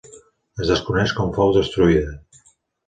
Es desconeix com fou destruïda.